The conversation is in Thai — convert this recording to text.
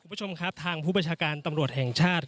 คุณผู้ชมครับทางผู้ประชาการตำรวจแห่งชาติ